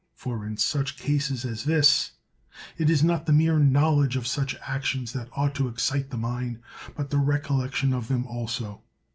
For in such cases as this, it is not the mere knowledge of such actions that ought to excite the mind, but the recollection of them also.